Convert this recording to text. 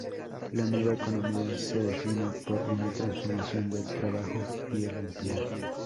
La nueva economía se define por una "transformación del trabajo y el empleo".